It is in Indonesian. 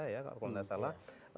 kalau tidak salah